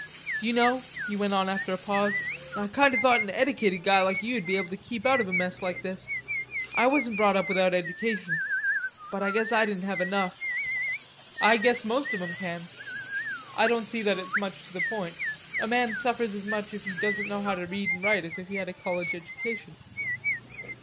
"D'ye know," he went on after a pause, "I kinder thought an edicated guy like you'd be able to keep out of a mess like this. I wasn't brought up without edication, but I guess I didn't have enough." "I guess most of 'em can; I don't sec that it's much to the point. A man suffers as much if he doesn't know how to read and write as if he had a college education."